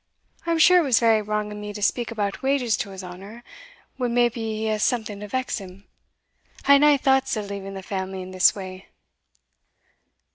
I am sure it was very wrang o' me to speak about wages to his honour, when maybe he has something to vex him. I had nae thoughts o' leaving the family in this way."